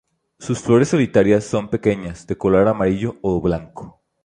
Sus flores solitarias, son pequeñas, de color amarillo o blanco.